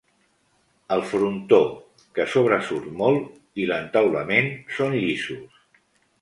El frontó, que sobresurt molt, i l'entaulament són llisos.